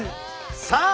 さあ